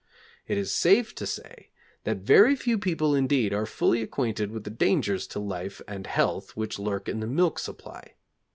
It is safe to say that very few people indeed are fully acquainted with the dangers to life and health which lurk in the milk supply....